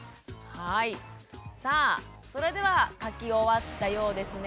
はいさあそれでは書き終わったようですね。